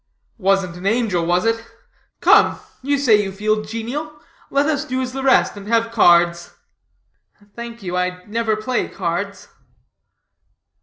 "Wasn't an angel, was it? Come, you say you feel genial, let us do as the rest, and have cards." "Thank you, I never play cards."